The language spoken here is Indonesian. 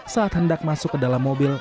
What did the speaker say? saat hendak masuk ke dalam mobil